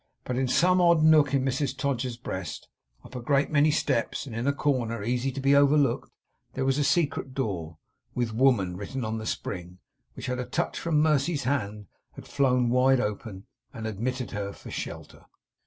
But in some odd nook in Mrs Todgers's breast, up a great many steps, and in a corner easy to be overlooked, there was a secret door, with 'Woman' written on the spring, which, at a touch from Mercy's hand, had flown wide open, and admitted her for shelter.